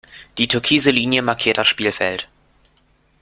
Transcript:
Die türkise Linie markiert das Spielfeld.